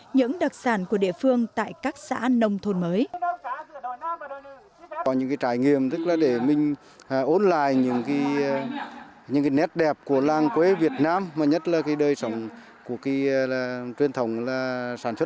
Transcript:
những đặc sản của địa phương tại các xã nông thôn mới